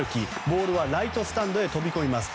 ボールはライトスタンドへ飛び込みます。